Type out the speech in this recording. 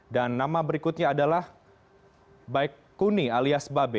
dan nama berikutnya adalah baik kuni alias babe